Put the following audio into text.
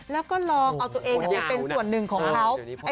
แล้วก็ลองเอาตัวเองไปเป็นส่วนหนึ่งของเขา